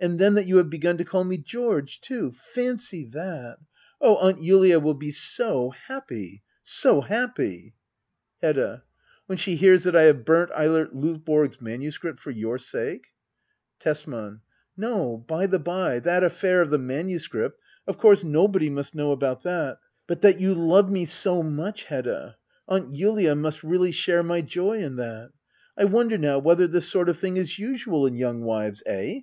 And then that you have begun to call me George too ! Fancy that ! Oh, Aunt Julia will be so happy — so happy ! Hedda. When she hears that I have burnt Eilert Lov borg's manuscript — for your sake ? Tesman. No, by the bye — that affair of the manuscript — of course nobody must know about that. But that you love me so much,^ Hedda — Aunt Julia must really share my joy in that I I wonder, now, whether this sort of thing is usual in young wives ? Eh?